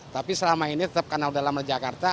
tapi selama ini tetap karena udah lama jakarta